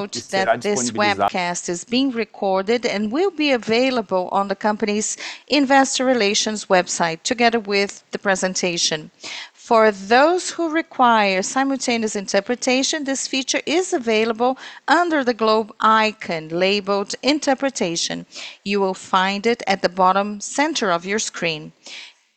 Note that this webcast is being recorded and will be available on the company's investor relations website together with the presentation. For those who require simultaneous interpretation, this feature is available under the globe icon labeled Interpretation. You will find it at the bottom center of your screen.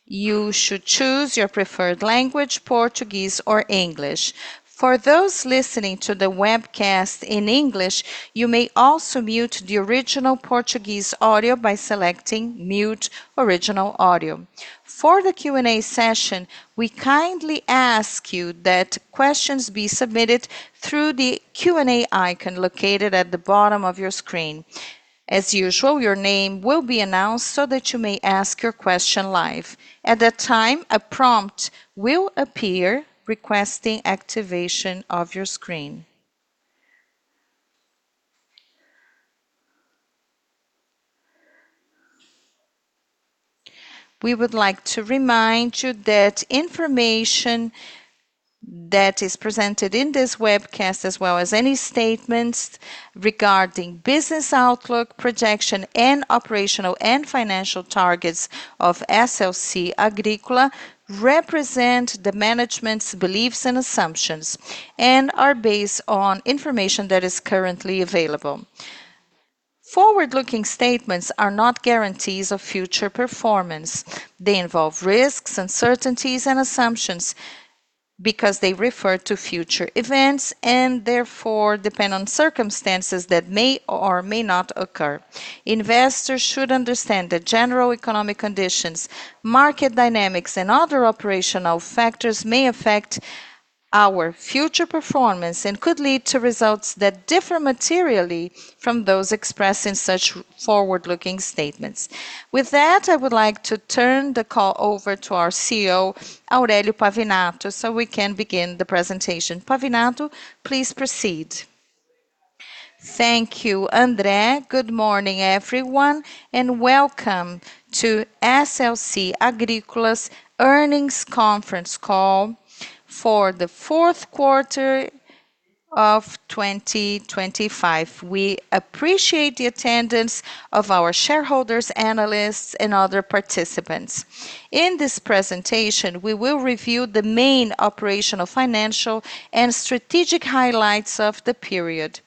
You should choose your preferred language, Portuguese or English. For those listening to the webcast in English, you may also mute the original Portuguese audio by selecting Mute Original Audio. For the Q&A session, we kindly ask you that questions be submitted through the Q&A icon located at the bottom of your screen. As usual, your name will be announced so that you may ask your question live. At that time, a prompt will appear requesting activation of your screen. We would like to remind you that information that is presented in this webcast, as well as any statements regarding business outlook, projection, and operational and financial targets of SLC Agrícola represent the management's beliefs and assumptions and are based on information that is currently available. Forward-looking statements are not guarantees of future performance. They involve risks, uncertainties, and assumptions because they refer to future events and therefore depend on circumstances that may or may not occur. Investors should understand that general economic conditions, market dynamics, and other operational factors may affect our future performance and could lead to results that differ materially from those expressed in such forward-looking statements. With that, I would like to turn the call over to our CEO, Aurélio Pavinato, so we can begin the presentation. Pavinato, please proceed. Thank you, André. Good morning, everyone, and welcome to SLC Agrícola's Earnings Conference Call for the Fourth Quarter of 2025. We appreciate the attendance of our shareholders, analysts, and other participants. In this presentation, we will review the main operational, financial, and strategic highlights of the period,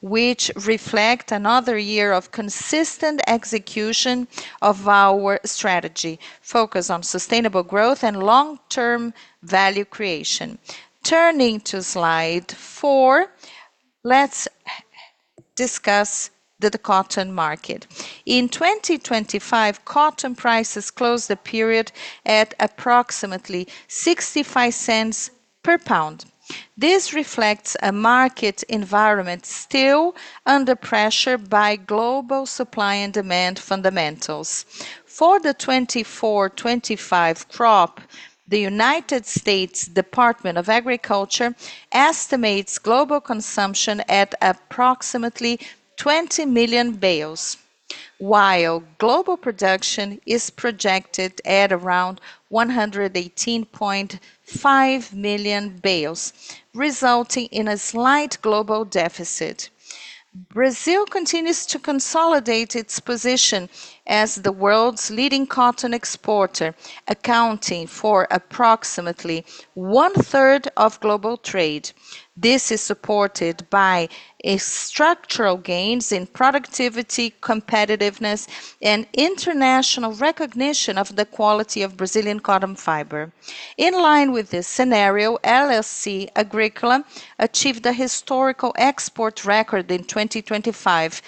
which reflect another year of consistent execution of our strategy focused on sustainable growth and long-term value creation. Turning to slide four, let's discuss the cotton market. In 2025, cotton prices closed the period at approximately $0.65 per pound. This reflects a market environment still under pressure by global supply and demand fundamentals. For the 2024/2025 crop, the United States Department of Agriculture estimates global consumption at approximately 20 million bales, while global production is projected at around 118.5 million bales, resulting in a slight global deficit. Brazil continues to consolidate its position as the world's leading cotton exporter, accounting for approximately 1/3 of global trade. This is supported by structural gains in productivity, competitiveness, and international recognition of the quality of Brazilian cotton fiber. In line with this scenario, SLC Agrícola achieved a historical export record in 2025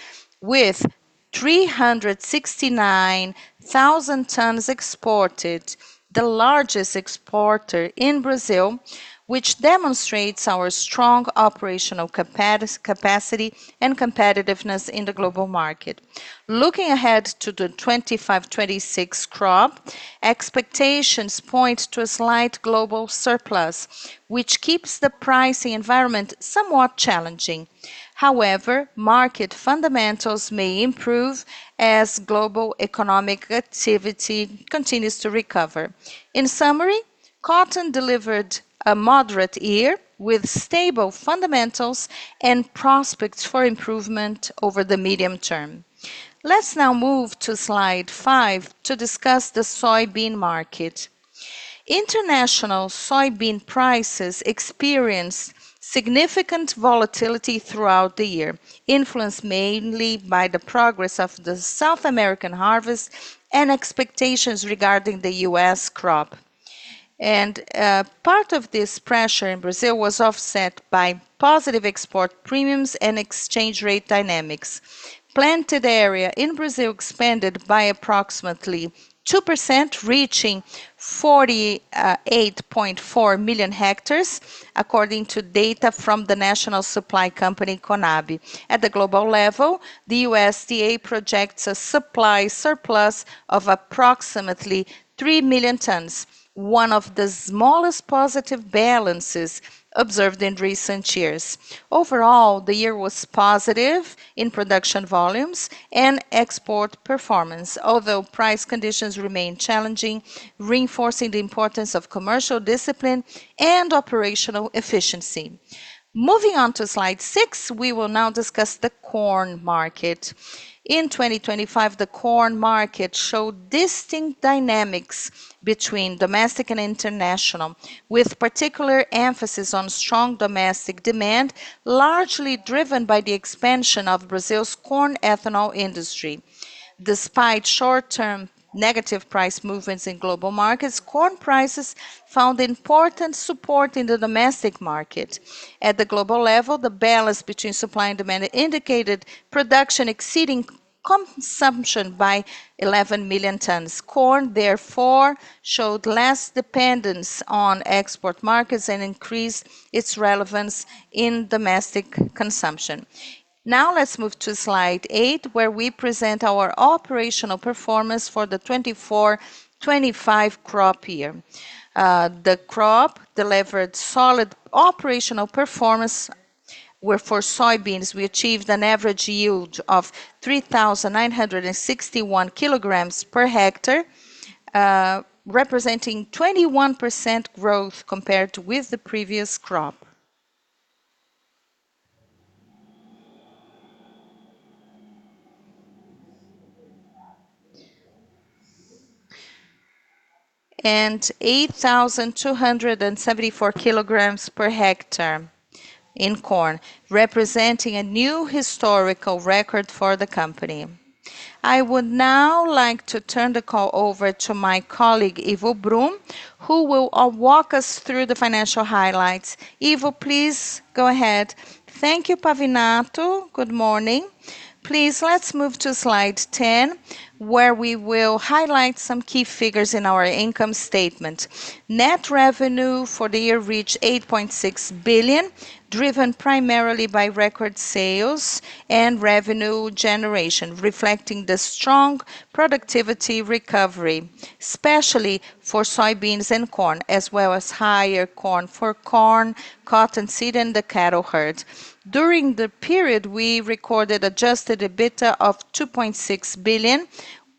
with 369,000 tons exported, the largest exporter in Brazil, which demonstrates our strong operational capacity and competitiveness in the global market. Looking ahead to the 2025-2026 crop, expectations point to a slight global surplus, which keeps the pricing environment somewhat challenging. However, market fundamentals may improve as global economic activity continues to recover. In summary, cotton delivered a moderate year with stable fundamentals and prospects for improvement over the medium term. Let's now move to slide five to discuss the soybean market. International soybean prices experienced significant volatility throughout the year, influenced mainly by the progress of the South American harvest and expectations regarding the US crop. Part of this pressure in Brazil was offset by positive export premiums and exchange rate dynamics. Planted area in Brazil expanded by approximately 2%, reaching 48.4 million hectares, according to data from the National Supply Company, CONAB. At the global level, the USDA projects a supply surplus of approximately 3,000,000 tons, one of the smallest positive balances observed in recent years. Overall, the year was positive in production volumes and export performance, although price conditions remain challenging, reinforcing the importance of commercial discipline and operational efficiency. Moving on to slide six, we will now discuss the corn market. In 2025, the corn market showed distinct dynamics between domestic and international, with particular emphasis on strong domestic demand, largely driven by the expansion of Brazil's corn ethanol industry. Despite short-term negative price movements in global markets, corn prices found important support in the domestic market. At the global level, the balance between supply and demand indicated production exceeding consumption by 11,000,000 tons. Corn, therefore, showed less dependence on export markets and increased its relevance in domestic consumption. Now let's move to slide eight, where we present our operational performance for the 2024/2025 crop year. The crop delivered solid operational performance, where for soybeans, we achieved an average yield of 3,961 kg per hectare, representing 21% growth compared with the previous crop. 8,274 kg per hectare in corn, representing a new historical record for the company. I would now like to turn the call over to my colleague, Ivo Brum, who will walk us through the financial highlights. Ivo, please go ahead. Thank you, Pavinato. Good morning. Please, let's move to slide 10, where we will highlight some key figures in our income statement. Net revenue for the year reached 8.6 billion, driven primarily by record sales and revenue generation, reflecting the strong productivity recovery, especially for soybeans and corn, as well as higher corn for corn, cottonseed, and the cattle herd. During the period, we recorded adjusted EBITDA of 2.6 billion,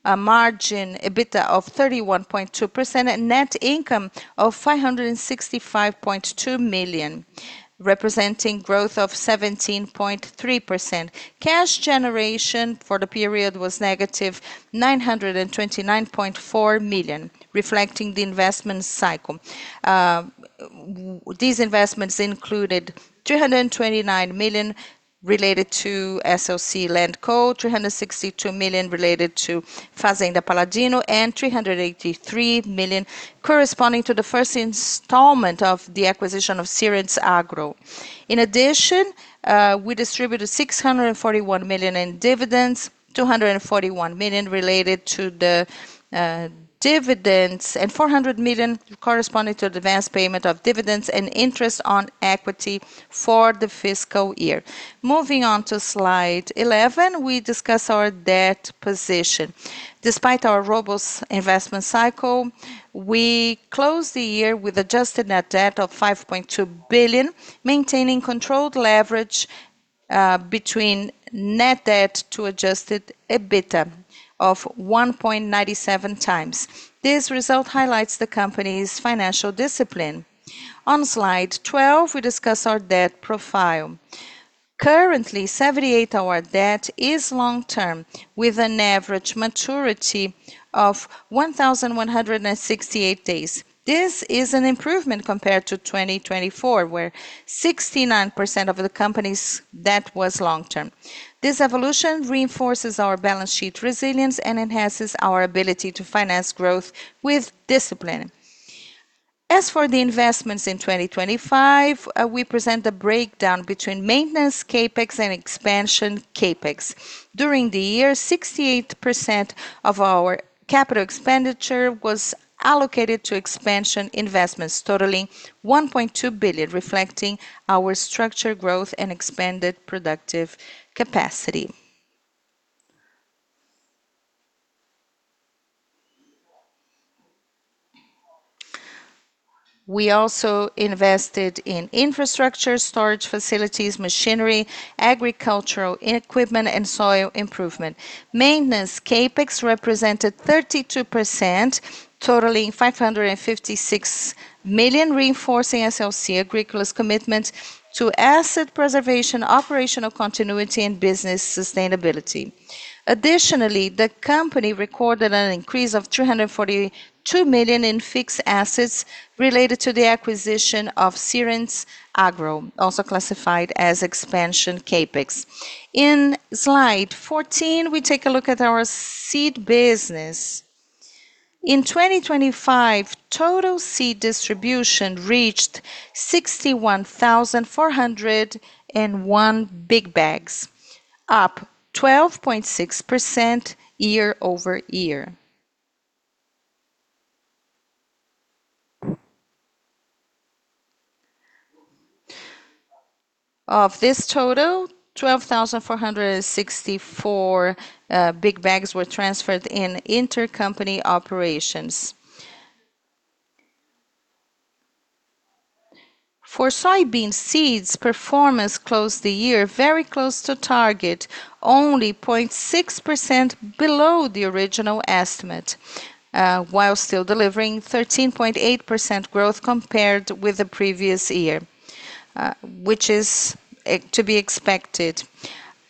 an EBITDA margin of 31.2%, and net income of 565.2 million, representing growth of 17.3%. Cash generation for the period was -929.4 million, reflecting the investment cycle. These investments included 229 million related to SLC LandCo, 362 million related to Fazenda Paladino, and 383 million corresponding to the first installment of the acquisition of Sierentz Agro. In addition, we distributed 641 million in dividends, 241 million related to the dividends, and 400 million corresponding to advanced payment of dividends and interest on equity for the fiscal year. Moving on to slide 11, we discuss our debt position. Despite our robust investment cycle, we closed the year with adjusted net debt of 5.2 billion, maintaining controlled leverage between net debt to adjusted EBITDA of 1.97x. This result highlights the company's financial discipline. On slide 12, we discuss our debt profile. Currently, 78% of our debt is long-term, with an average maturity of 1,168 days. This is an improvement compared to 2024, where 69% of the company's debt was long-term. This evolution reinforces our balance sheet resilience and enhances our ability to finance growth with discipline. As for the investments in 2025, we present the breakdown between maintenance CapEx and expansion CapEx. During the year, 68% of our capital expenditure was allocated to expansion investments totaling 1.2 billion, reflecting our structure growth and expanded productive capacity. We also invested in infrastructure, storage facilities, machinery, agricultural equipment, and soil improvement. Maintenance CapEx represented 32%, totaling 556 million, reinforcing SLC Agrícola's commitment to asset preservation, operational continuity, and business sustainability. Additionally, the company recorded an increase of 342 million in fixed assets related to the acquisition of Sierentz Agro, also classified as expansion CapEx. In slide 14, we take a look at our seed business. In 2025, total seed distribution reached 61,401 big bags, up 12.6% year-over-year. Of this total, 12,464 big bags were transferred in intercompany operations. For soybean seeds, performance closed the year very close to target, only 0.6% below the original estimate, while still delivering 13.8% growth compared with the previous year, which is to be expected.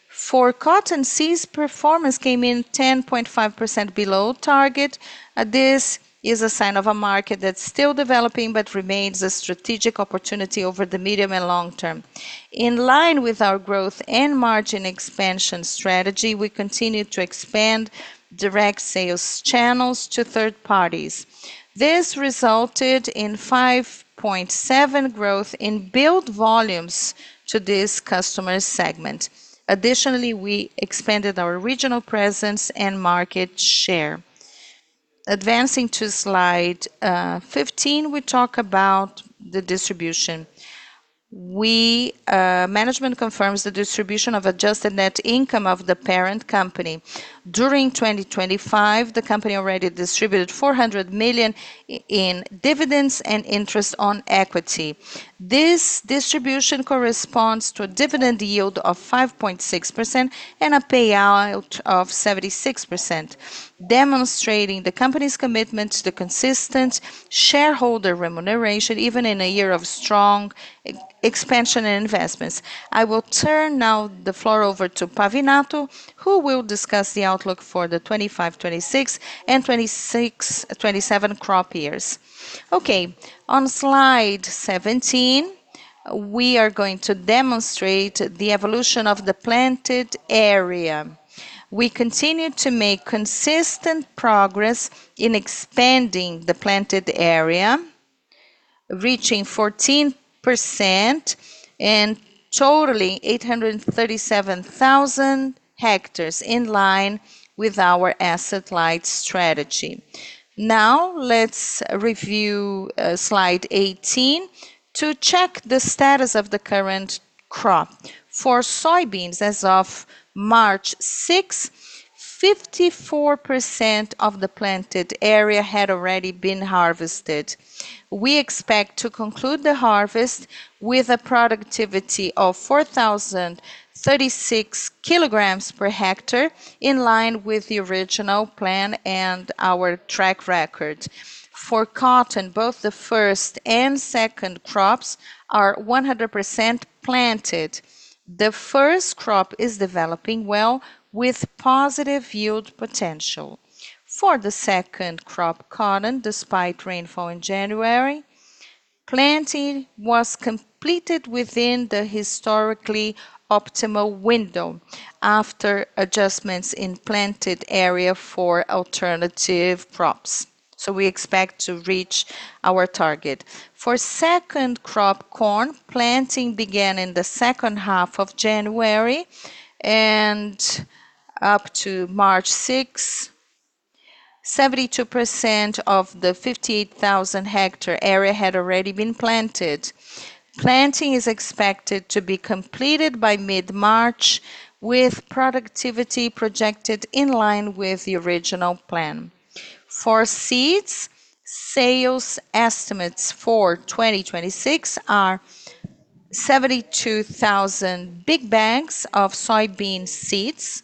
For cotton, seeds performance came in 10.5% below target. This is a sign of a market that's still developing, but remains a strategic opportunity over the medium and long term. In line with our growth and margin expansion strategy, we continue to expand direct sales channels to third parties. This resulted in 5.7% growth in build volumes to this customer segment. Additionally, we expanded our regional presence and market share. Advancing to slide 15, we talk about the distribution. Management confirms the distribution of adjusted net income of the parent company. During 2025, the company already distributed 400 million in dividends and interest on equity. This distribution corresponds to a dividend yield of 5.6% and a payout of 76%, demonstrating the company's commitment to the consistent shareholder remuneration even in a year of strong expansion and investments. I will turn now the floor over to Pavinato, who will discuss the outlook for the 2025/2026 and 2026/2027 crop years. Okay. On slide 17, we are going to demonstrate the evolution of the planted area. We continue to make consistent progress in expanding the planted area, reaching 14% and totaling 837,000 hectares in line with our asset-light strategy. Now, let's review slide 18 to check the status of the current crop. For soybeans, as of March 6, 54% of the planted area had already been harvested. We expect to conclude the harvest with a productivity of 4,036 kg per hectare in line with the original plan and our track record. For cotton, both the first and second crops are 100% planted. The first crop is developing well with positive yield potential. For the second crop, cotton, despite rainfall in January, planting was completed within the historically optimal window after adjustments in planted area for alternative crops. We expect to reach our target. For second crop corn, planting began in the second half of January, and up to March 6, 72% of the 58,000 hectare area had already been planted. Planting is expected to be completed by mid-March, with productivity projected in line with the original plan. For seeds, sales estimates for 2026 are 72,000 big bags of soybean seeds,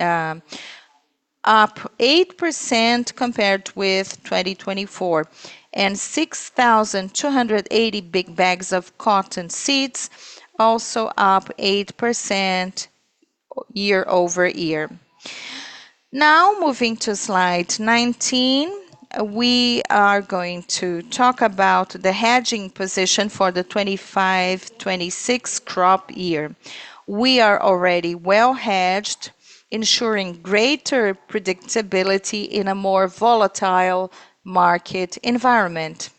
up 8% compared with 2024, and 6,280 big bags of cotton seeds, also up 8% year-over-year. Now, moving to slide 19, we are going to talk about the hedging position for the 2025/2026 crop year. We are already well hedged, ensuring greater predictability in a more volatile market environment.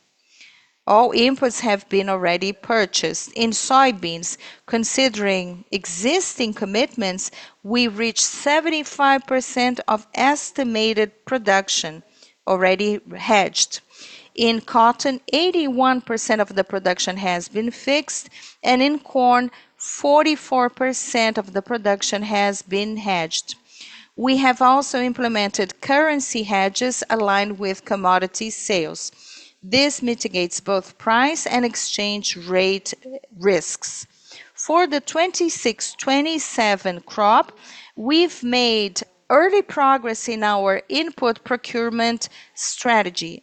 All inputs have been already purchased. In soybeans, considering existing commitments, we reached 75% of estimated production already hedged. In cotton, 81% of the production has been fixed, and in corn, 44% of the production has been hedged. We have also implemented currency hedges aligned with commodity sales. This mitigates both price and exchange rate risks. For the 2026/2027 crop, we've made early progress in our input procurement strategy.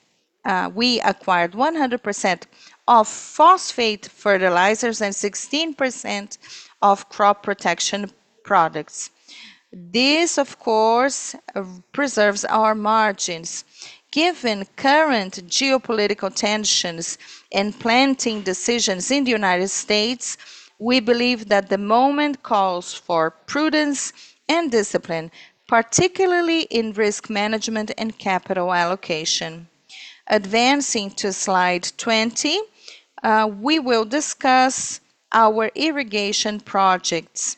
We acquired 100% of phosphate fertilizers and 16% of crop protection products. This, of course, preserves our margins. Given current geopolitical tensions and planting decisions in the United States, we believe that the moment calls for prudence and discipline, particularly in risk management and capital allocation. Advancing to slide 20, we will discuss our irrigation projects.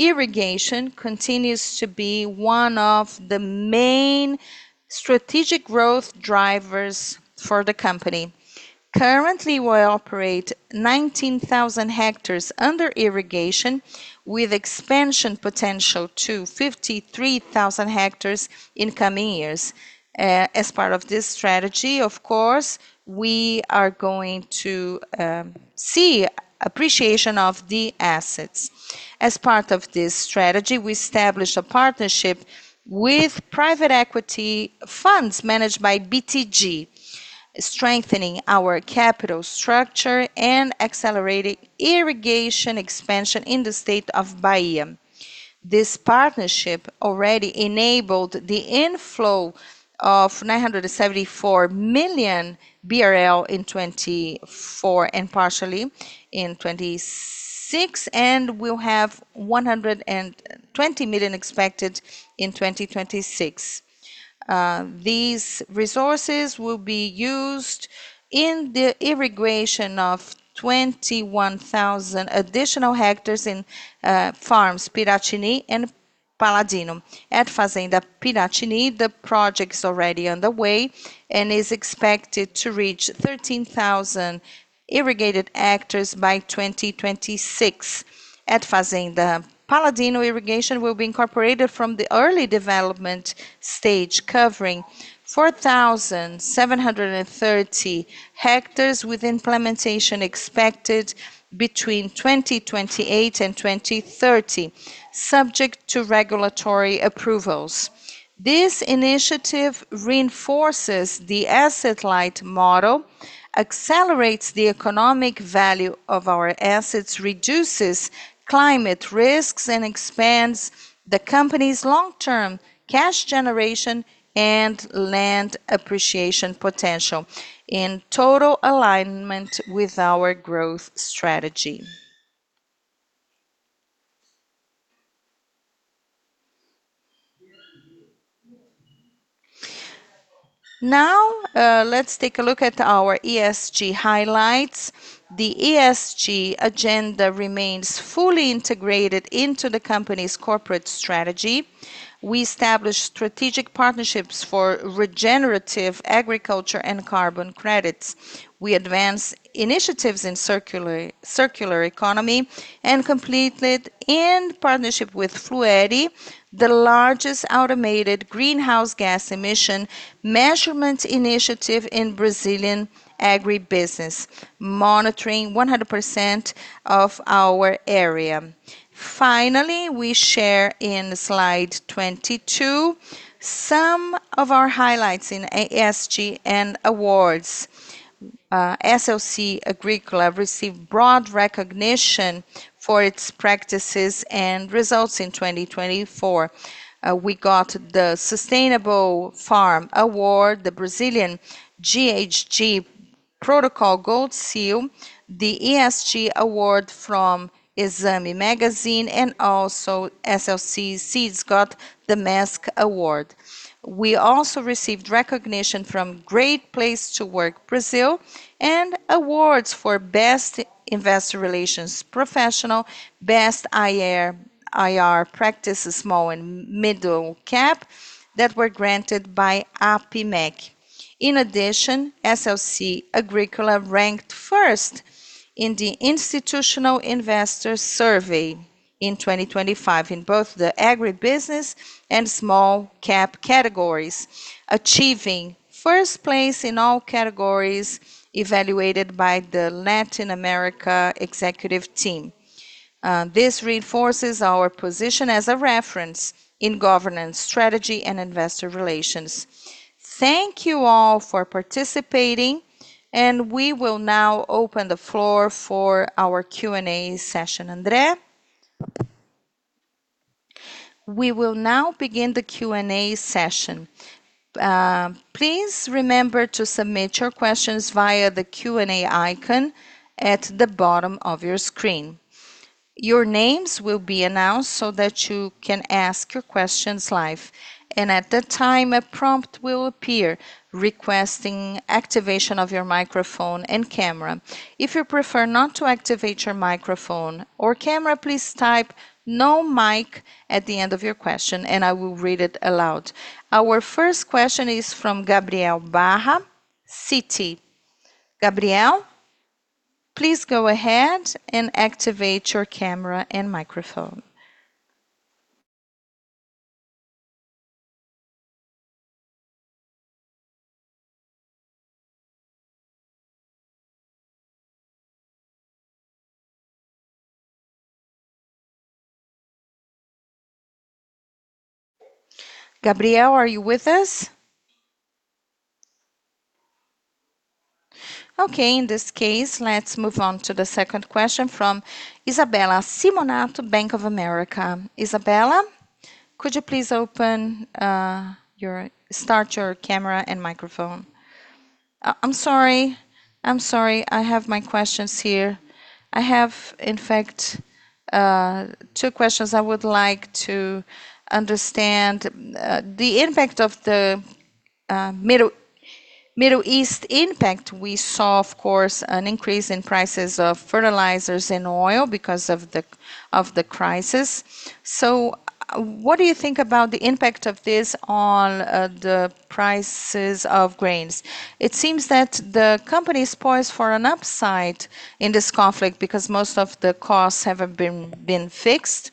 Irrigation continues to be one of the main strategic growth drivers for the company. Currently, we operate 19,000 hectares under irrigation with expansion potential to 53,000 hectares in coming years. As part of this strategy, of course, we are going to see appreciation of the assets. As part of this strategy, we established a partnership with private equity funds managed by BTG. Strengthening our capital structure and accelerating irrigation expansion in the state of Bahia. This partnership already enabled the inflow of 974 million BRL in 2024, and partially in 2026, and will have 120 million expected in 2026. These resources will be used in the irrigation of 21,000 additional hectares in farms Piratini and Paladino. At Fazenda Piratini, the project's already underway and is expected to reach 13,000 irrigated hectares by 2026. At Fazenda Paladino, irrigation will be incorporated from the early development stage, covering 4,730 hectares with implementation expected between 2028 and 2030, subject to regulatory approvals. This initiative reinforces the asset-light model, accelerates the economic value of our assets, reduces climate risks, and expands the company's long-term cash generation and land appreciation potential in total alignment with our growth strategy. Now, let's take a look at our ESG highlights. The ESG agenda remains fully integrated into the company's corporate strategy. We established strategic partnerships for regenerative agriculture and carbon credits. We advanced initiatives in circular economy and completed in partnership with Fluere, the largest automated greenhouse gas emission measurements initiative in Brazilian agribusiness, monitoring 100% of our area. Finally, we share in slide 22 some of our highlights in ESG and awards. SLC Agrícola received broad recognition for its practices and results in 2024. We got the Sustainable Farm Award, the Brazilian GHG Protocol Gold Seal, the ESG award from Exame Magazine, and also SLC Seeds got the MASC award. We also received recognition from Great Place to Work Brazil and awards for Best Investor Relations Professional, Best IR Practice, Small and Middle Cap that were granted by APIMEC. In addition, SLC Agrícola ranked first in the Institutional Investor Survey in 2025 in both the agribusiness and small cap categories, achieving first place in all categories evaluated by the Latin America executive team. This reinforces our position as a reference in governance, strategy, and investor relations. Thank you all for participating, and we will now open the floor for our Q&A session. André? We will now begin the Q&A session. Please remember to submit your questions via the Q&A icon at the bottom of your screen. Your names will be announced so that you can ask your questions live, and at that time a prompt will appear requesting activation of your microphone and camera. If you prefer not to activate your microphone or camera, please type "no mic" at the end of your question and I will read it aloud. Our first question is from Gabriel Barra, Citi. Gabriel, please go ahead and activate your camera and microphone. Gabriel, are you with us? Okay, in this case, let's move on to the second question from Isabella Simonato, Bank of America. Isabella, could you please start your camera and microphone? I'm sorry. I have my questions here. I have, in fact, two questions. I would like to understand the impact of the Middle East impact, we saw, of course, an increase in prices of fertilizers and oil because of the crisis. What do you think about the impact of this on the prices of grains? It seems that the company is poised for an upside in this conflict because most of the costs have been fixed,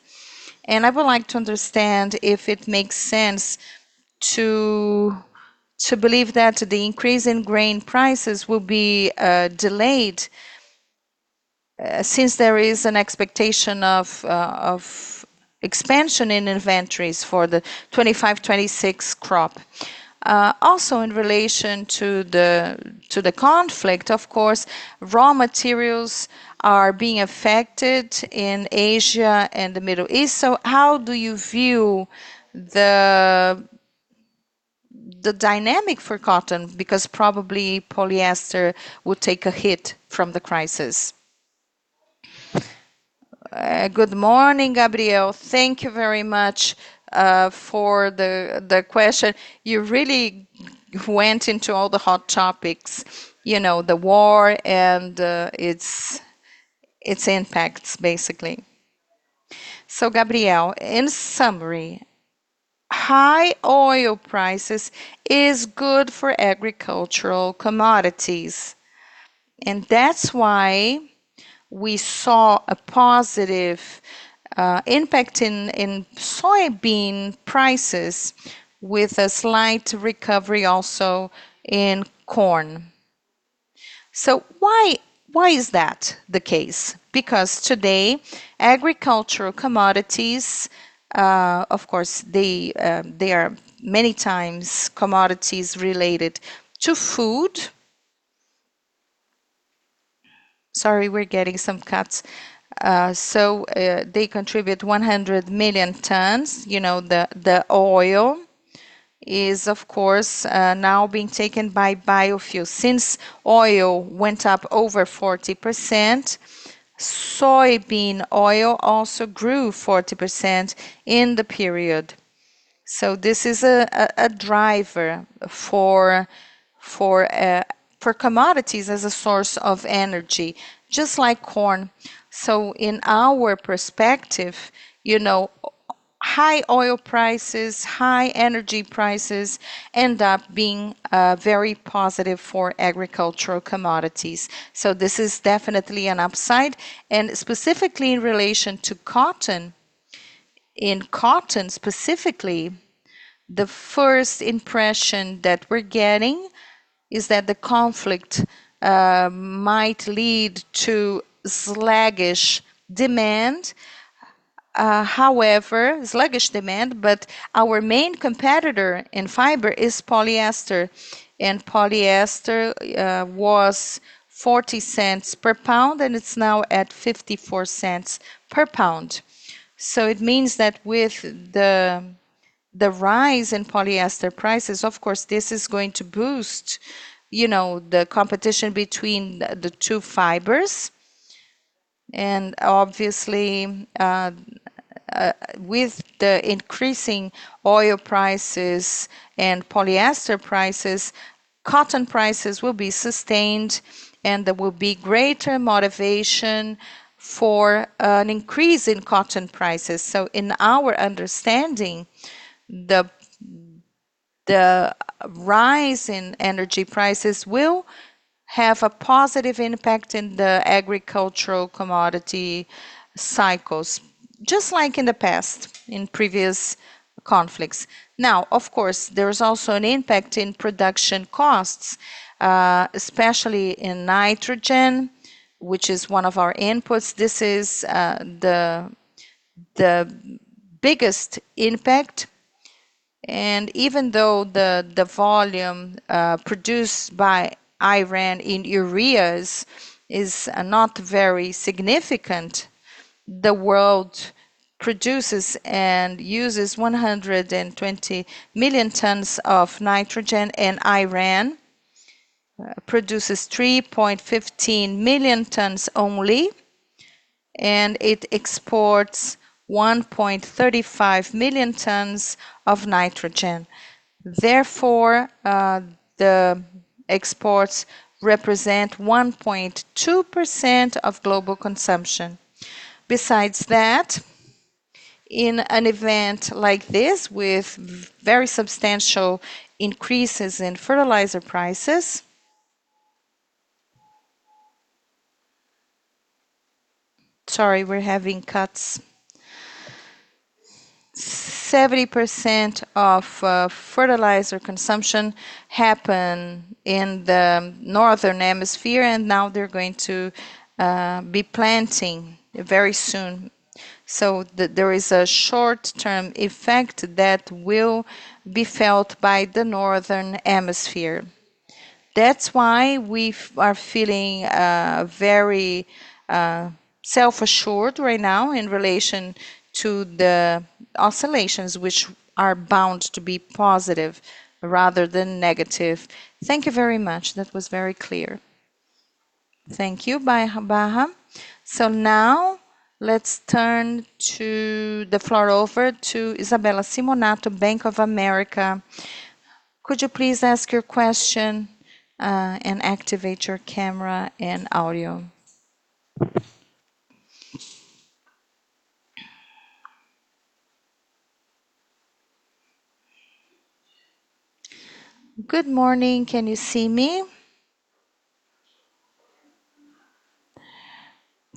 and I would like to understand if it makes sense to believe that the increase in grain prices will be delayed since there is an expectation of expansion in inventories for the 2025/2026 crop. Also in relation to the conflict, of course, raw materials are being affected in Asia and the Middle East. How do you view the dynamic for cotton? Because probably polyester would take a hit from the crisis. Good morning, Gabriel. Thank you very much for the question. You really went into all the hot topics, you know, the war and its impacts basically. Gabriel, in summary, high oil prices is good for agricultural commodities, and that's why we saw a positive impact in soybean prices with a slight recovery also in corn. Why is that the case? Because today, agricultural commodities, of course they are many times commodities related to food. Sorry, we're getting some cuts. They contribute 100,000,000 tons. You know, the oil is of course now being taken by biofuel. Since oil went up over 40%, soybean oil also grew 40% in the period. This is a driver for commodities as a source of energy, just like corn. In our perspective, you know, high oil prices, high energy prices end up being very positive for agricultural commodities. This is definitely an upside and specifically in relation to cotton. In cotton specifically, the first impression that we're getting is that the conflict might lead to sluggish demand. However, sluggish demand, but our main competitor in fiber is polyester, and polyester was $0.40/lb, and it's now at $0.54/lb. It means that with the rise in polyester prices, of course this is going to boost, you know, the competition between the two fibers. Obviously, with the increasing oil prices and polyester prices, cotton prices will be sustained, and there will be greater motivation for an increase in cotton prices. In our understanding, the rise in energy prices will have a positive impact in the agricultural commodity cycles, just like in the past, in previous conflicts. Now, of course, there is also an impact in production costs, especially in nitrogen, which is one of our inputs. This is the biggest impact. Even though the volume produced by Iran in urea is not very significant, the world produces and uses 120,000,000 tons of nitrogen, and Iran produces 3.15 million tons only, and it exports 1.35 million tons of nitrogen. Therefore, the exports represent 1.2% of global consumption. Besides that, in an event like this with very substantial increases in fertilizer prices. Sorry, we're having cuts. 70% of fertilizer consumption happen in the northern hemisphere, and now they're going to be planting very soon. There is a short-term effect that will be felt by the northern hemisphere. That's why we are feeling very self-assured right now in relation to the oscillations which are bound to be positive rather than negative. Thank you very much. That was very clear. Thank you, Gabriel Barra. Now, let's turn to the floor over to Isabella Simonato, Bank of America. Could you please ask your question, and activate your camera and audio? Good morning. Can you see me?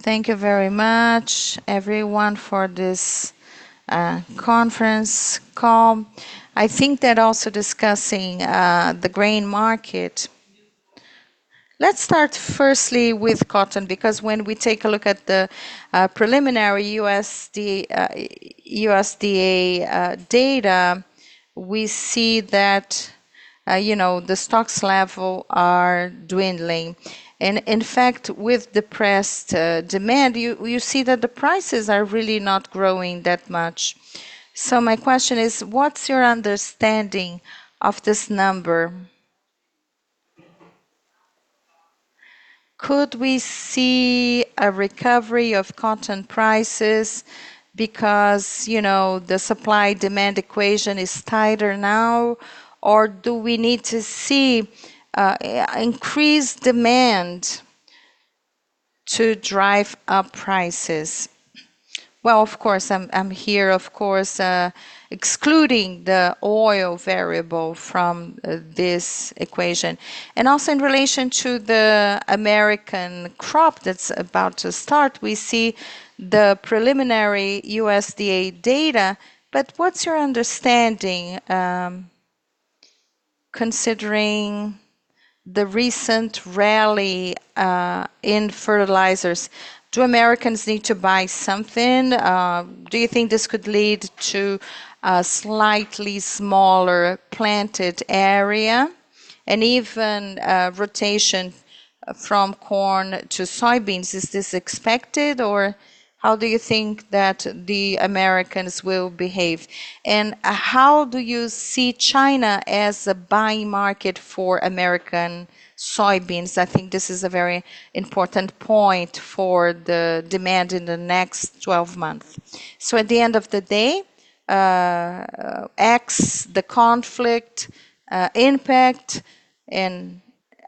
Thank you very much, everyone, for this conference call. I think that also discussing the grain market. Let's start firstly with cotton, because when we take a look at the preliminary USDA data, we see that, you know, the stocks level are dwindling. In fact, with depressed demand, you see that the prices are really not growing that much. My question is, what's your understanding of this number? Could we see a recovery of cotton prices because, you know, the supply-demand equation is tighter now, or do we need to see increased demand to drive up prices? Well, of course, I'm here, of course, excluding the oil variable from this equation. Also in relation to the American crop that's about to start, we see the preliminary USDA data, but what's your understanding, considering the recent rally in fertilizers? Do Americans need to buy something? Do you think this could lead to a slightly smaller planted area and even a rotation from corn to soybeans? Is this expected, or how do you think that the Americans will behave? And how do you see China as a buying market for American soybeans? I think this is a very important point for the demand in the next 12 months. At the end of the day, ex the conflict, impact and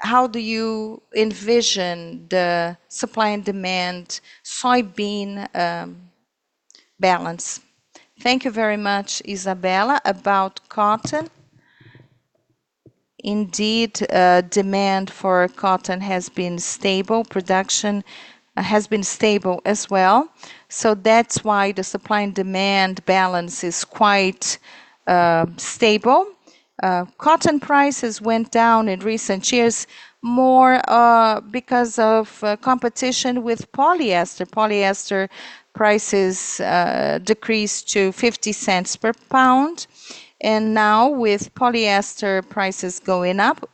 how do you envision the supply and demand soybean balance? Thank you very much, Isabella. About cotton, indeed, demand for cotton has been stable. Production has been stable as well. That's why the supply and demand balance is quite stable. Cotton prices went down in recent years more because of competition with polyester. Polyester prices decreased to $0.50/lb. Now with polyester prices going up,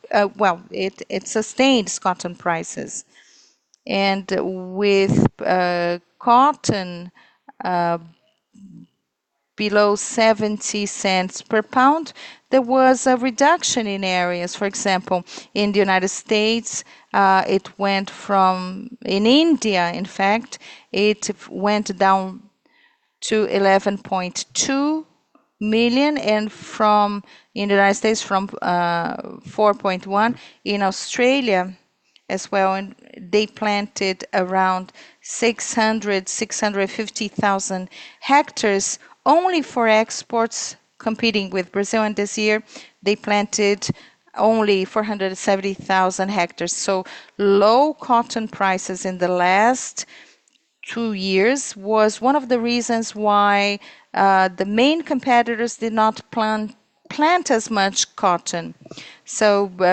it sustains cotton prices. With cotton below $0.70/lb, there was a reduction in areas. For example, in the United States, it went from. In India, in fact, it went down to 11.2 million, and from, in the United States from, 4.1. In Australia as well, and they planted around 600,000-650,000 hectares only for exports competing with Brazil, and this year they planted only 470,000 hectares. Low cotton prices in the last two years was one of the reasons why the main competitors did not plant as much cotton.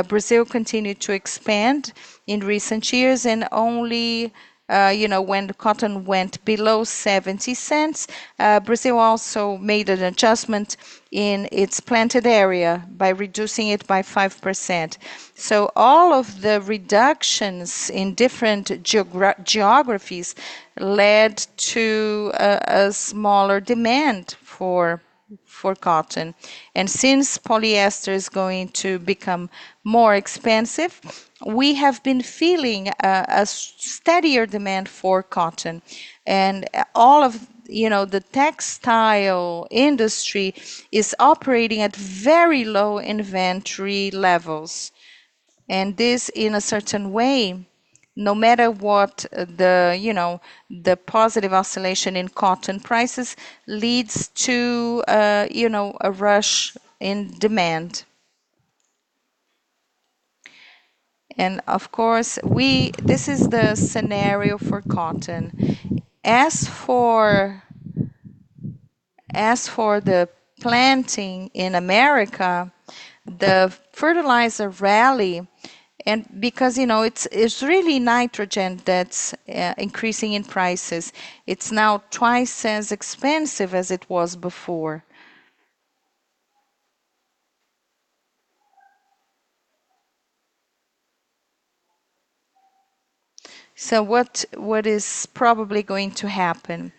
Brazil continued to expand in recent years, and only, you know, when the cotton went below $0.70, Brazil also made an adjustment in its planted area by reducing it by 5%. All of the reductions in different geographies led to a smaller demand for cotton. Since polyester is going to become more expensive, we have been feeling a steadier demand for cotton. All of, you know, the textile industry is operating at very low inventory levels. This, in a certain way, no matter what the you know positive oscillation in cotton prices leads to, you know, a rush in demand. Of course, this is the scenario for cotton. As for the planting in America, the fertilizer rally and because, you know, it's really nitrogen that's increasing in prices. It's now twice as expensive as it was before. What is probably going to happen?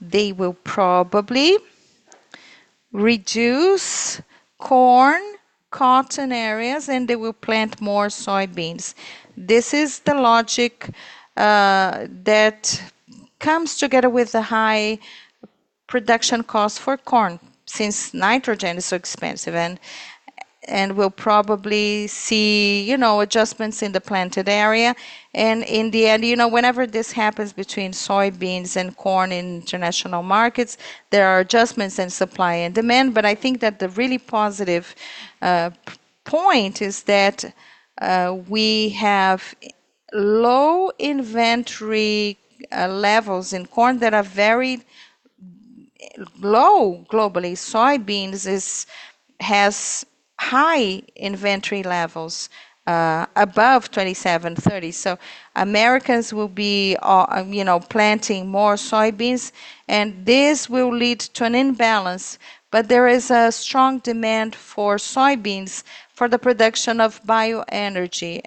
They will probably reduce corn, cotton areas, and they will plant more soybeans. This is the logic that comes together with the high production cost for corn since nitrogen is so expensive and we'll probably see, you know, adjustments in the planted area. In the end, you know, whenever this happens between soybeans and corn in international markets, there are adjustments in supply and demand. I think that the really positive point is that we have low inventory levels in corn that are very low globally. Soybeans has high inventory levels above 27, 30. Americans will be planting more soybeans, and this will lead to an imbalance, but there is a strong demand for soybeans for the production of bio energy.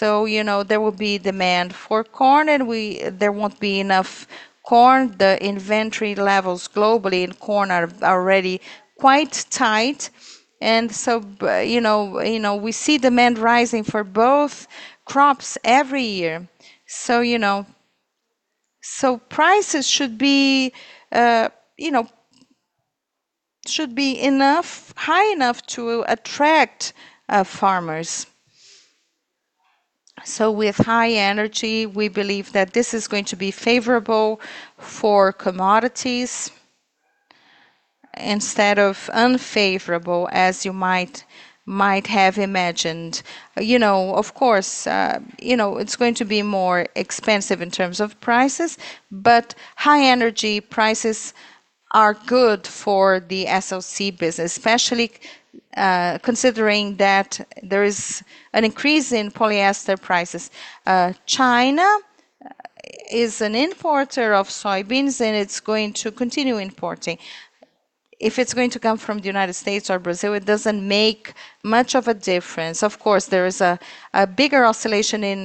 You know, there will be demand for corn and there won't be enough corn. The inventory levels globally in corn are already quite tight and you know, we see demand rising for both crops every year. Prices should be high enough to attract farmers. With high energy, we believe that this is going to be favorable for commodities instead of unfavorable as you might have imagined. You know, of course, you know, it's going to be more expensive in terms of prices, but high energy prices are good for the SLC business, especially considering that there is an increase in polyester prices. China is an importer of soybeans, and it's going to continue importing. If it's going to come from the United States or Brazil, it doesn't make much of a difference. Of course, there is a bigger oscillation in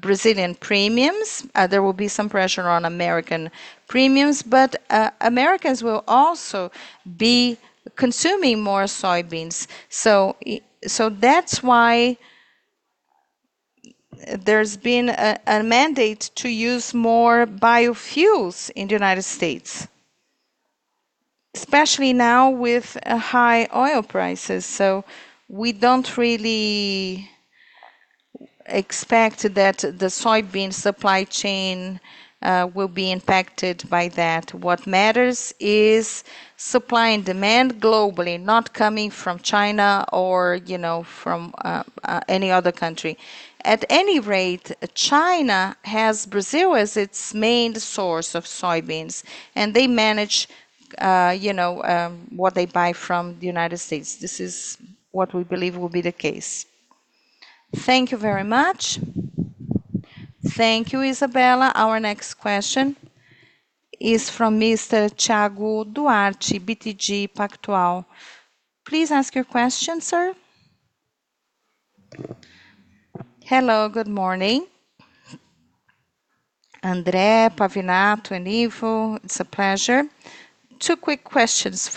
Brazilian premiums. There will be some pressure on American premiums, but Americans will also be consuming more soybeans. That's why there's been a mandate to use more biofuels in the United States, especially now with high oil prices. We don't really expect that the soybean supply chain will be impacted by that. What matters is supply and demand globally, not coming from China or, you know, from any other country. At any rate, China has Brazil as its main source of soybeans, and they manage what they buy from the United States. This is what we believe will be the case. Thank you very much. Thank you, Isabella. Our next question is from Mr. Thiago Duarte, BTG Pactual. Please ask your question, sir. Hello, good morning. André, Pavinato, and Ivo, it's a pleasure. Two quick questions.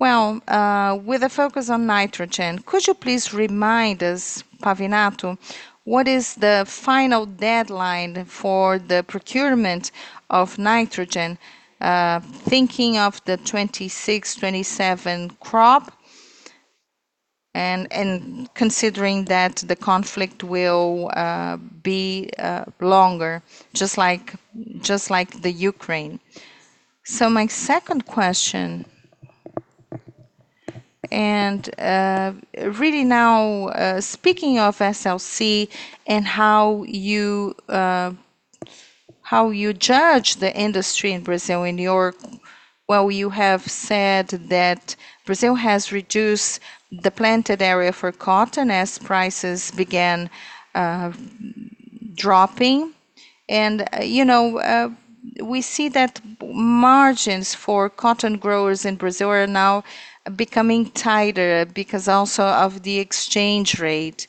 Well, with a focus on nitrogen, could you please remind us, Pavinato, what is the final deadline for the procurement of nitrogen, thinking of the 2026, 2027 crop and considering that the conflict will be longer, just like the Ukraine. My second question, really now, speaking of SLC and how you judge the industry in Brazil. Well, you have said that Brazil has reduced the planted area for cotton as prices began dropping and, you know, we see that margins for cotton growers in Brazil are now becoming tighter because also of the exchange rate.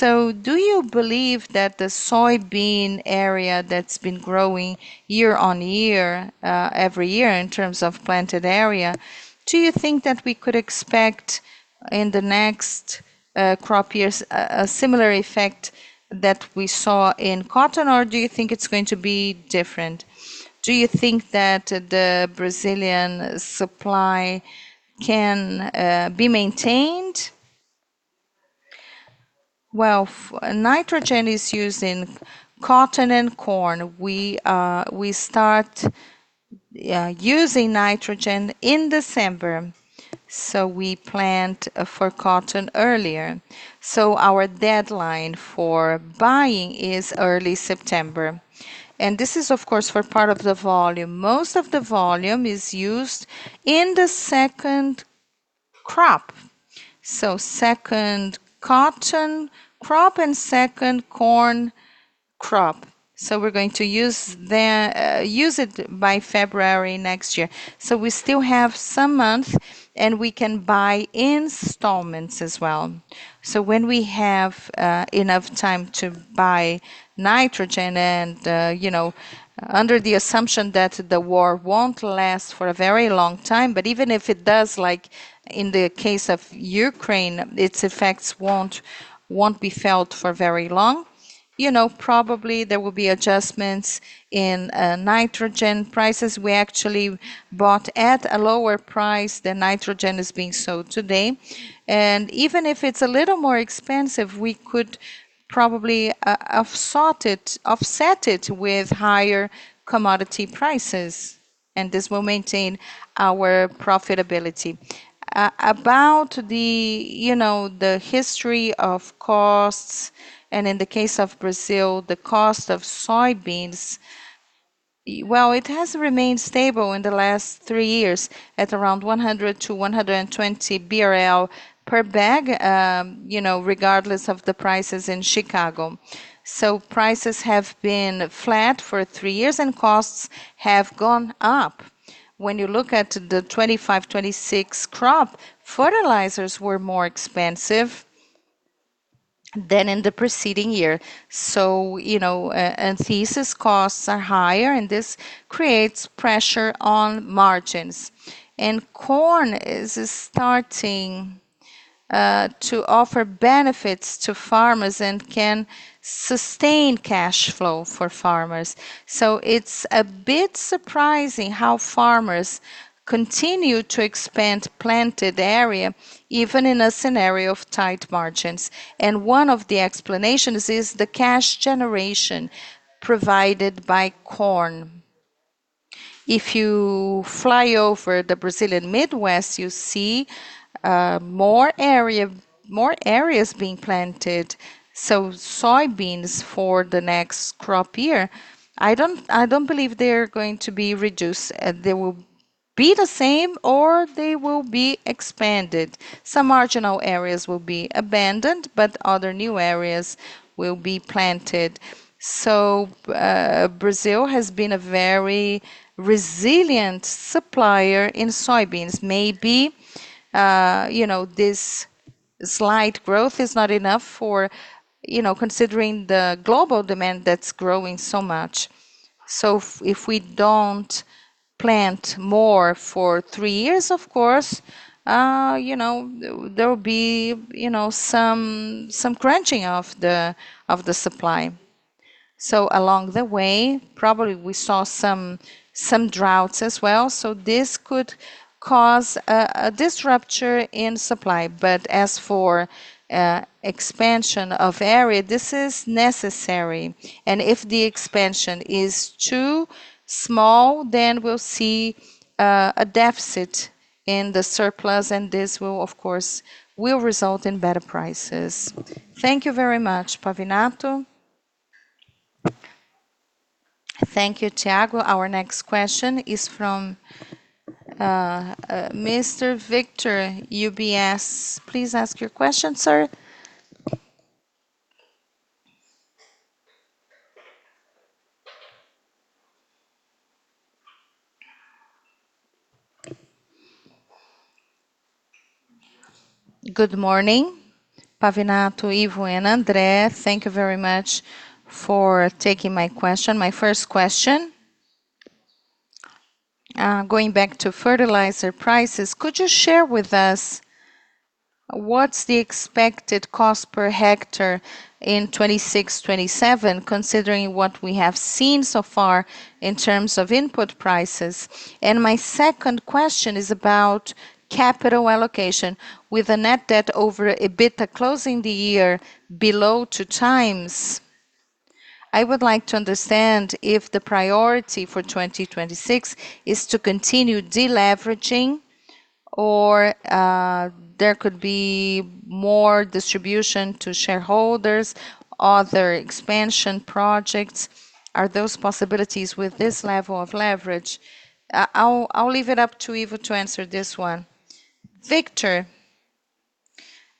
Do you believe that the soybean area that's been growing year on year, every year in terms of planted area, do you think that we could expect in the next crop years a similar effect that we saw in cotton, or do you think it's going to be different? Do you think that the Brazilian supply can be maintained? Well, nitrogen is used in cotton and corn. We start using nitrogen in December, so we plant for cotton earlier. Our deadline for buying is early September, and this is of course for part of the volume. Most of the volume is used in the second crop, second cotton crop and second corn crop. We're going to use it by February next year. We still have some months, and we can buy in installments as well. When we have enough time to buy nitrogen and you know, under the assumption that the war won't last for a very long time, but even if it does, like in the case of Ukraine, its effects won't be felt for very long. You know, probably there will be adjustments in nitrogen prices. We actually bought at a lower price than nitrogen is being sold today, and even if it's a little more expensive, we could probably offset it with higher commodity prices. This will maintain our profitability. About the, you know, the history of costs and in the case of Brazil, the cost of soybeans, well, it has remained stable in the last three years at around 100- 120 BRL per bag, you know, regardless of the prices in Chicago. Prices have been flat for three years, and costs have gone up. When you look at the 2025/2026 crop, fertilizers were more expensive than in the preceding year. You know, and these costs are higher, and this creates pressure on margins. Corn is starting to offer benefits to farmers and can sustain cash flow for farmers. It's a bit surprising how farmers continue to expand planted area even in a scenario of tight margins. One of the explanations is the cash generation provided by corn. If you fly over the Brazilian Midwest, you see more area, more areas being planted. Soybeans for the next crop year, I don't believe they're going to be reduced. They will be the same or they will be expanded. Some marginal areas will be abandoned, but other new areas will be planted. Brazil has been a very resilient supplier in soybeans. Maybe you know, this slight growth is not enough for you know, considering the global demand that's growing so much. If we don't plant more for three years, of course you know, there will be you know, some crunching of the supply. Along the way, probably we saw some droughts as well. This could cause a disruption in supply. As for expansion of area, this is necessary. If the expansion is too small, then we'll see a deficit in the surplus, and this will, of course, result in better prices. Thank you very much, Pavinato. Thank you, Thiago. Our next question is from Mr. Victor, UBS. Please ask your question, sir. Good morning, Pavinato, Ivo, and André. Thank you very much for taking my question. My first question, going back to fertilizer prices, could you share with us what's the expected cost per hectare in 2026/2027, considering what we have seen so far in terms of input prices? My second question is about capital allocation. With a net debt over EBITDA closing the year below 2x, I would like to understand if the priority for 2026 is to continue deleveraging or there could be more distribution to shareholders, other expansion projects. Are those possibilities with this level of leverage? I'll leave it up to Ivo to answer this one. Victor,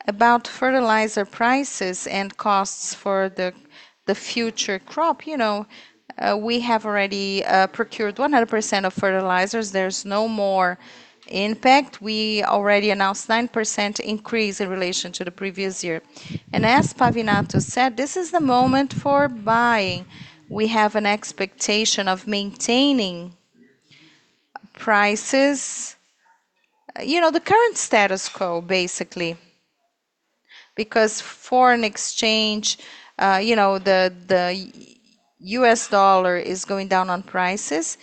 about fertilizer prices and costs for the future crop. You know, we have already procured 100% of fertilizers. There's no more impact. We already announced 9% increase in relation to the previous year. As Pavinato said, this is the moment for buying. We have an expectation of maintaining prices. You know, the current status quo basically. Because foreign exchange, you know, the U.S. dollar is going down on prices.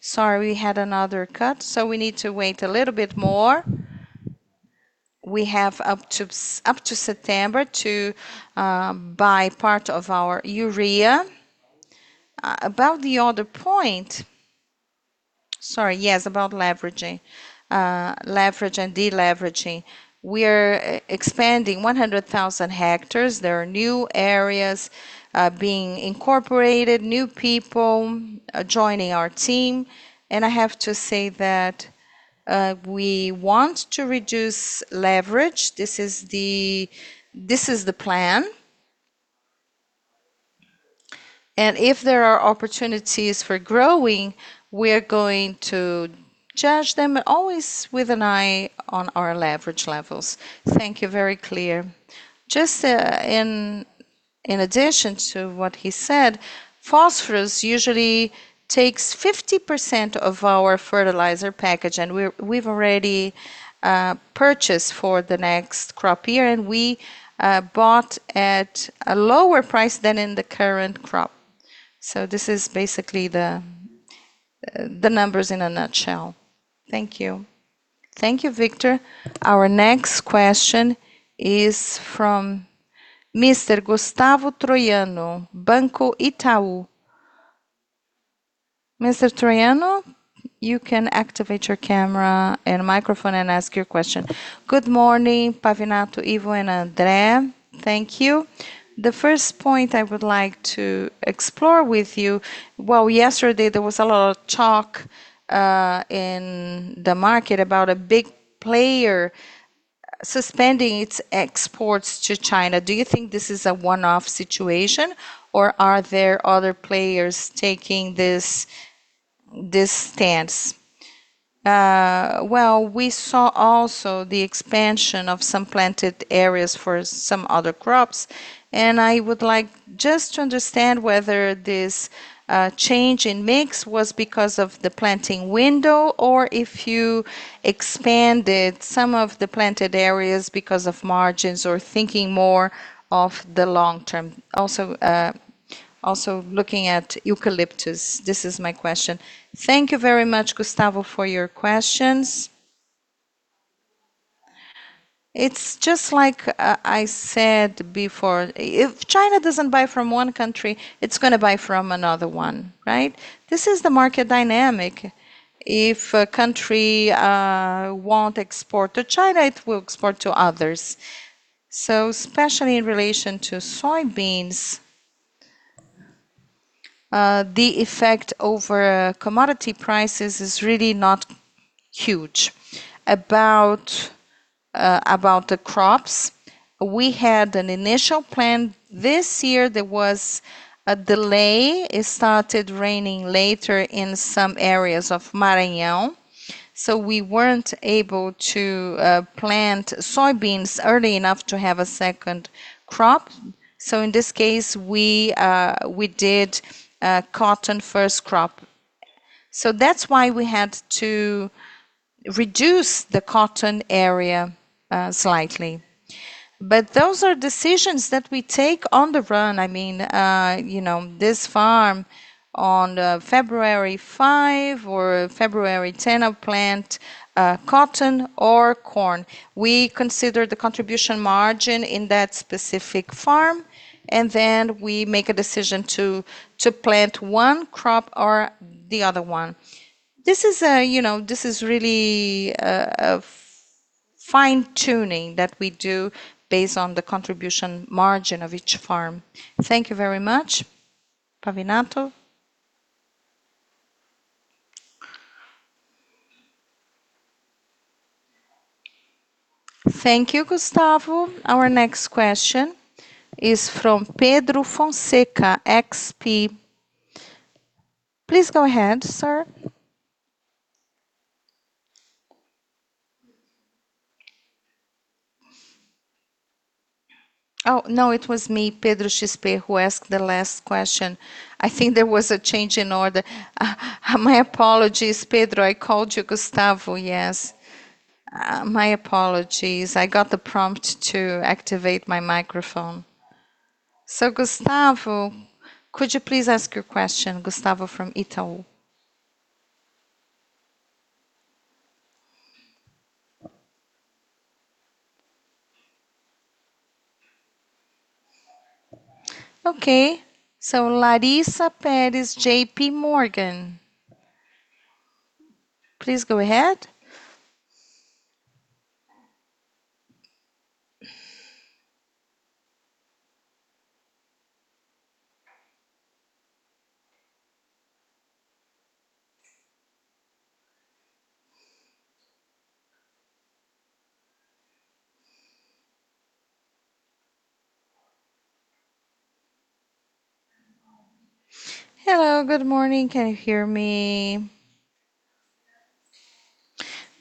Sorry, we had another cut, so we need to wait a little bit more. We have up to September to buy part of our urea. About the other point. Sorry. Yes, about leveraging. Leverage and deleveraging. We're expanding 100,000 hectares. There are new areas being incorporated, new people joining our team. I have to say that we want to reduce leverage. This is the plan. If there are opportunities for growing, we're going to judge them always with an eye on our leverage levels. Thank you. Very clear. Just in addition to what he said, phosphorus usually takes 50% of our fertilizer package, and we've already purchased for the next crop year, and we bought at a lower price than in the current crop. This is basically the numbers in a nutshell. Thank you. Thank you, Victor. Our next question is from Mr. Gustavo Troyano, Banco Itaú. Mr. Troyano, you can activate your camera and microphone and ask your question. Good morning, Pavinato, Ivo, and André. Thank you. The first point I would like to explore with you, yesterday there was a lot of talk in the market about a big player suspending its exports to China. Do you think this is a one-off situation or are there other players taking this stance? We saw also the expansion of some planted areas for some other crops, and I would like just to understand whether this change in mix was because of the planting window or if you expanded some of the planted areas because of margins or thinking more of the long term. Also looking at eucalyptus. This is my question. Thank you very much, Gustavo, for your questions. It's just like I said before, if China doesn't buy from one country, it's gonna buy from another one, right? This is the market dynamic. If a country won't export to China, it will export to others. Especially in relation to soybeans, the effect over commodity prices is really not huge. About the crops, we had an initial plan. This year there was a delay. It started raining later in some areas of Maranhão, so we weren't able to plant soybeans early enough to have a second crop. In this case we did a cotton first crop. That's why we had to reduce the cotton area slightly. Those are decisions that we take on the run. I mean, you know, this farm on February 5 or February 10 we plant cotton or corn. We consider the contribution margin in that specific farm and then we make a decision to plant one crop or the other one. This is a, you know, this is really a fine-tuning that we do based on the contribution margin of each farm. Thank you very much, Pavinato. Thank you, Gustavo. Our next question is from Pedro Fonseca, XP. Please go ahead, sir. Oh, no, it was me, Pedro Fonseca, who asked the last question. I think there was a change in order. My apologies, Pedro. I called you Gustavo, yes. My apologies. I got the prompt to activate my microphone. So Gustavo, could you please ask your question, Gustavo from Itaú? Okay. So Larissa Pérez, J.P. Morgan. Please go ahead. Hello. Good morning. Can you hear me?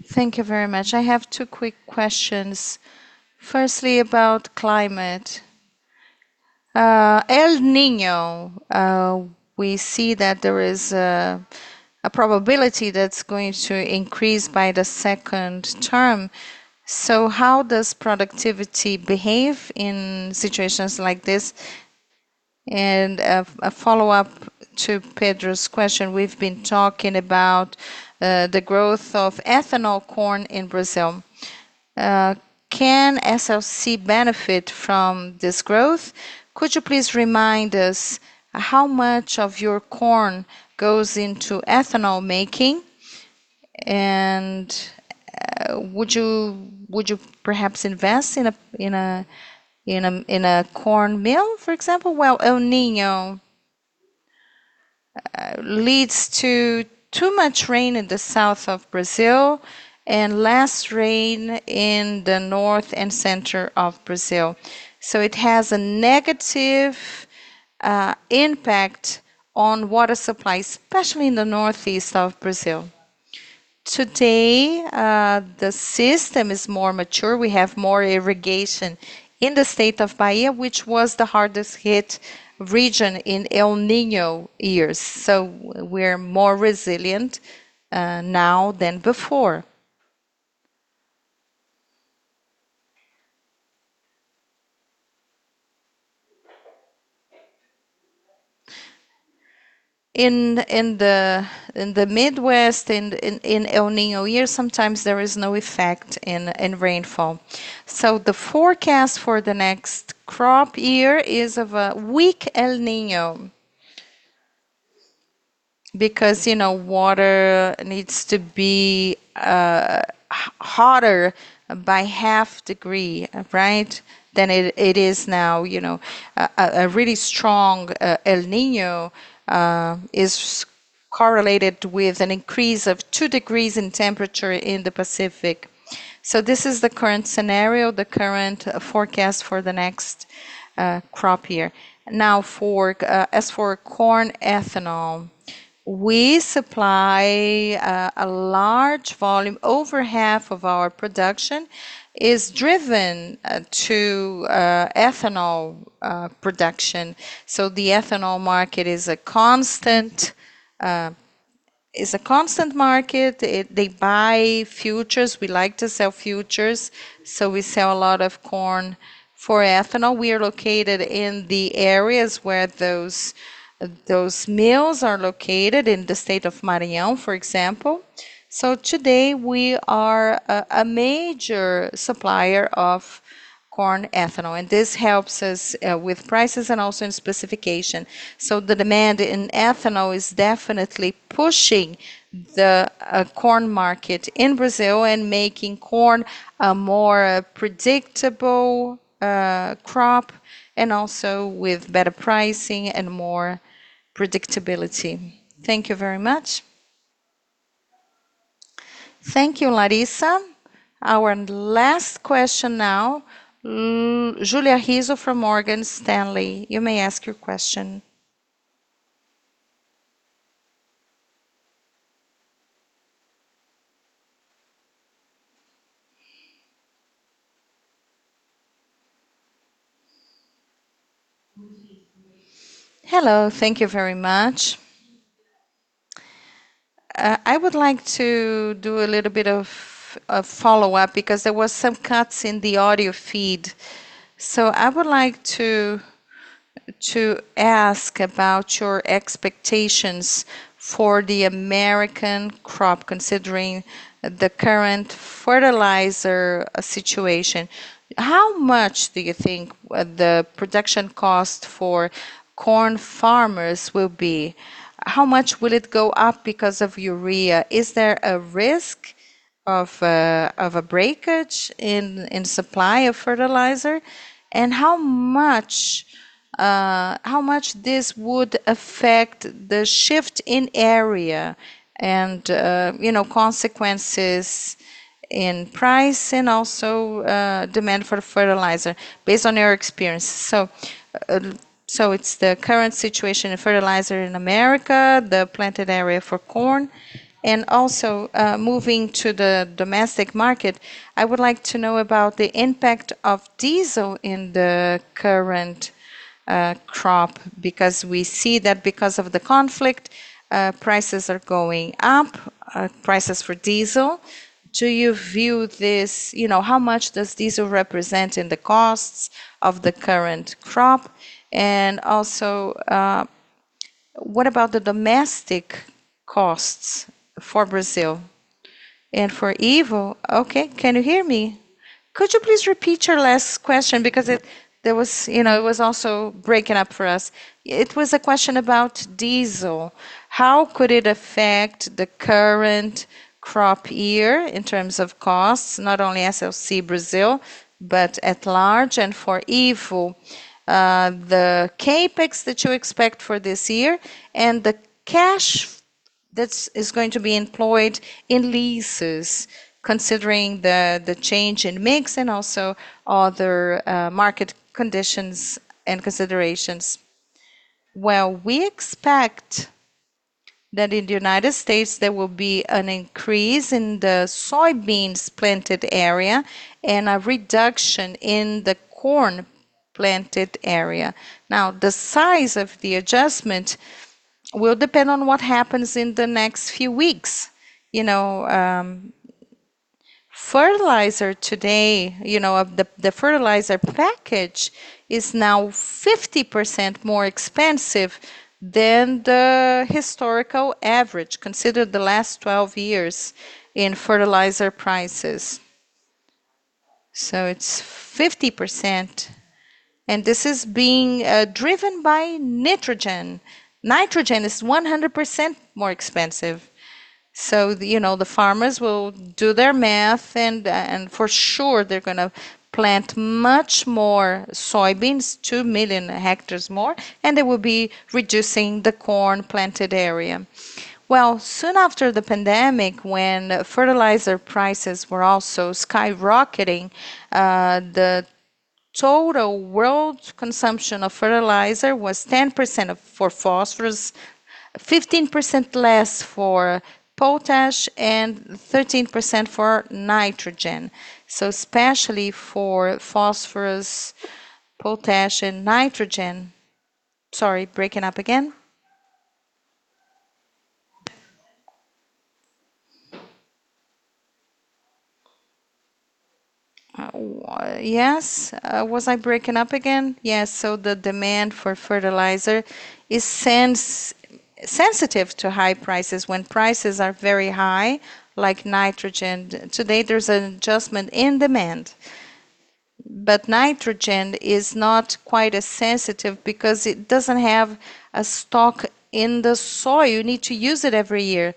Thank you very much. I have two quick questions. Firstly, about climate. El Niño, we see that there is a probability that's going to increase by the second term. So how does productivity behave in situations like this? And a follow-up to Pedro's question, we've been talking about the growth of ethanol corn in Brazil. Can SLC benefit from this growth? Could you please remind us how much of your corn goes into ethanol making? And would you perhaps invest in a corn mill, for example? Well, El Niño leads to too much rain in the south of Brazil and less rain in the north and center of Brazil, so it has a negative impact on water supply, especially in the northeast of Brazil. Today, the system is more mature. We have more irrigation in the state of Bahia, which was the hardest hit region in El Niño years. We're more resilient now than before. In the Midwest, in El Niño year, sometimes there is no effect in rainfall. The forecast for the next crop year is of a weak El Niño because, you know, water needs to be hotter by half degree, right? Than it is now. You know, a really strong El Niño is correlated with an increase of two degrees in temperature in the Pacific. This is the current scenario, the current forecast for the next crop year. Now, as for corn ethanol, we supply a large volume. Over half of our production is driven to ethanol production. The ethanol market is a constant market. They buy futures. We like to sell futures, so we sell a lot of corn for ethanol. We are located in the areas where those mills are located, in the state of Maranhão, for example. Today we are a major supplier of corn ethanol, and this helps us with prices and also in specification. The demand in ethanol is definitely pushing the corn market in Brazil and making corn a more predictable crop, and also with better pricing and more predictability. Thank you very much. Thank you, Larissa. Our last question now, Julia Rizzo from Morgan Stanley, you may ask your question. Hello. Thank you very much. I would like to do a little bit of follow-up because there was some cuts in the audio feed. I would like to ask about your expectations for the American crop, considering the current fertilizer situation. How much do you think the production cost for corn farmers will be? How much will it go up because of urea? Is there a risk of a breakage in supply of fertilizer? And how much this would affect the shift in area and, you know, consequences in price and also, demand for fertilizer, based on your experience? It's the current situation in fertilizer in America, the planted area for corn. And also, moving to the domestic market, I would like to know about the impact of diesel in the current crop because we see that because of the conflict, prices are going up, prices for diesel. Do you view this? You know, how much does diesel represent in the costs of the current crop? Also, what about the domestic costs for Brazil? Okay. Can you hear me? Could you please repeat your last question because there was, you know, it was also breaking up for us. It was a question about diesel. How could it affect the current crop year in terms of costs, not only SLC Brazil, but at large? For Ivo, the CapEx that you expect for this year and the cash that's going to be employed in leases considering the change in mix and also other market conditions and considerations. Well, we expect that in the United States there will be an increase in the soybeans planted area and a reduction in the corn planted area. Now, the size of the adjustment will depend on what happens in the next few weeks. You know, fertilizer today, you know, the fertilizer package is now 50% more expensive than the historical average, consider the last 12 years in fertilizer prices. It's 50%, and this is being driven by nitrogen. Nitrogen is 100% more expensive. You know, the farmers will do their math and for sure they're gonna plant much more soybeans, 2,000,000 hectares more, and they will be reducing the corn planted area. Well, soon after the pandemic when fertilizer prices were also skyrocketing, the total world consumption of fertilizer was 10% for phosphorus, 15% less for potash, and 13% for nitrogen. Especially for phosphorus, potash, and nitrogen. Sorry, breaking up again. Yes. Was I breaking up again? Yes. The demand for fertilizer is sensitive to high prices. When prices are very high, like nitrogen, today there's an adjustment in demand. Nitrogen is not quite as sensitive because it doesn't have a stock in the soil. You need to use it every year.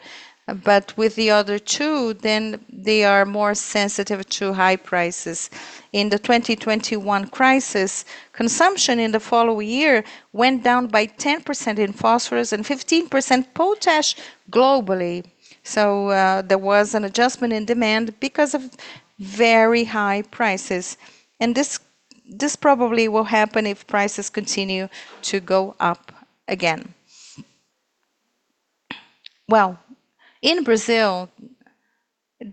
With the other two, they are more sensitive to high prices. In the 2021 crisis, consumption in the following year went down by 10% in phosphorus and 15% potash globally. There was an adjustment in demand because of very high prices. This probably will happen if prices continue to go up again. In Brazil,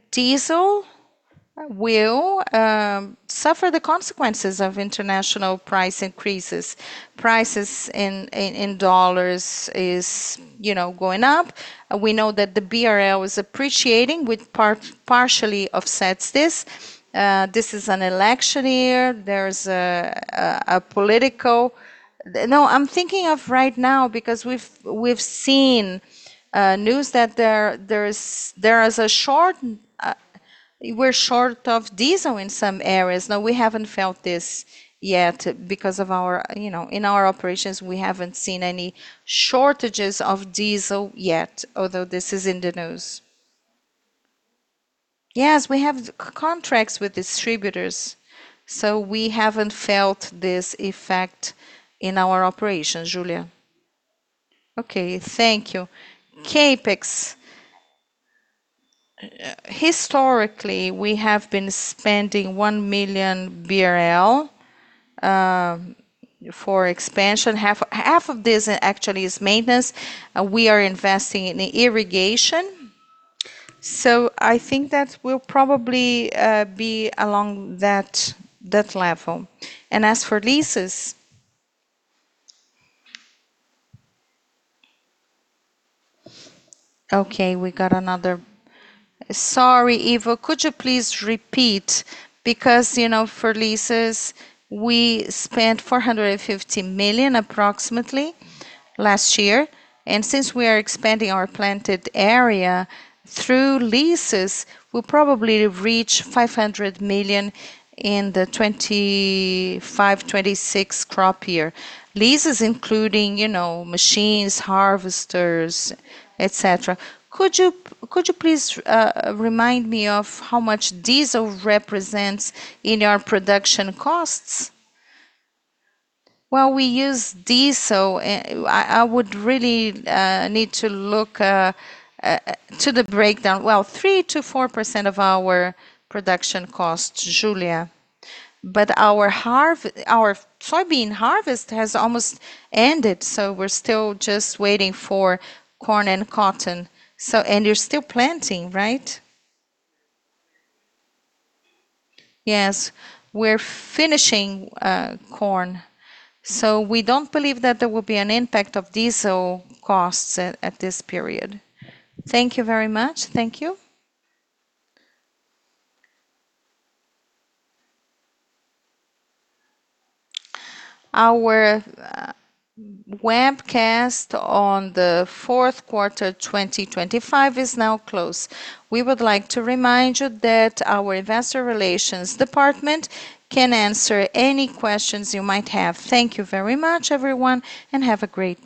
diesel will suffer the consequences of international price increases. Prices in dollars is going up. You know, we know that the BRL is appreciating, which partially offsets this. This is an election year, there's political. No, I'm thinking of right now because we've seen news that there is a shortage of diesel in some areas. No, we haven't felt this yet because of our, you know, in our operations we haven't seen any shortages of diesel yet, although this is in the news. Yes, we have contracts with distributors, so we haven't felt this effect in our operations, Julia. Okay. Thank you. CapEx. Historically, we have been spending 1 million BRL for expansion. Half of this actually is maintenance. We are investing in irrigation, so I think that will probably be along that level. As for leases. Sorry, Ivo, could you please repeat? Because, you know, for leases we spent 450 million approximately last year, and since we are expanding our planted area through leases, we'll probably reach 500 million in the 2025/2026 crop year. Leases including, you know, machines, harvesters, et cetera. Could you please remind me of how much diesel represents in our production costs? Well, we use diesel, I would really need to look at the breakdown. Well, 3%-4% of our production cost, Julia. But our soybean harvest has almost ended, so we're still just waiting for corn and cotton. You're still planting, right? Yes. We're finishing corn, so we don't believe that there will be an impact of diesel costs at this period. Thank you very much. Thank you. Our webcast on the fourth quarter 2025 is now closed. We would like to remind you that our investor relations department can answer any questions you might have. Thank you very much, everyone, and have a great day.